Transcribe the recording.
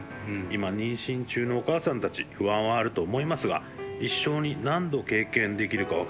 今妊娠中のお母さんたち不安はあると思いますが一生に何度経験できるか分からない出産です。